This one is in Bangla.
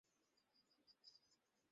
দেখো তো, লজ্জাবতী বেজিটাকে।